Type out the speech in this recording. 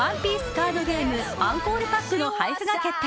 カードゲームアンコールパックの配布が決定。